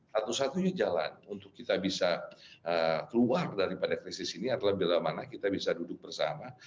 satu satunya jalan untuk kita bisa keluar daripada krisis ini adalah bila mana kita bisa duduk bersama